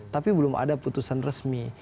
tapi belum ada putusan resmi